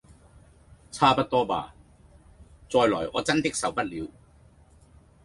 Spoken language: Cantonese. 差不多吧！再來我真的受不了